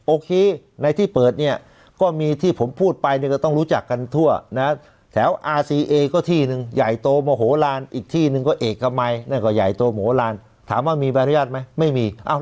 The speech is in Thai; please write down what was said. โอเคในที่เปิดเนี่ยก็มีที่ผมพูดไปต้องรู้จักกันทั่วนะแล้วอาเซย์ก็ที่หนึ่งใหญ่โตมโหลาลอีกที่นึงก็เอกไม้หน้าเกินไหยโตโมโหลาลถามว่ามี